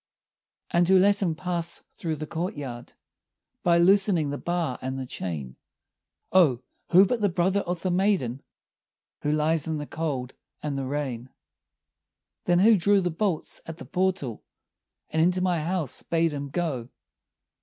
"And who let him pass through the courtyard, By loosening the bar and the chain?" "Oh, who but the brother of the maiden, Who lies in the cold and the rain!" "Then who drew the bolts at the portal, And into my house bade him go?"